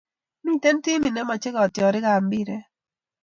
Miten timit nemache katiorik ab mbiret